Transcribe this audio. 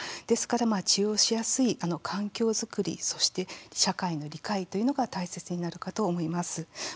ですから、治療しやすい環境作りそして社会の理解というのが大切になるかと思います。